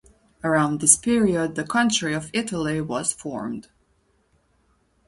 Around this period the country of Italy was formed.